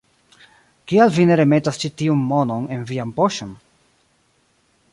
Kial vi ne remetas ĉi tiun monon en vian poŝon?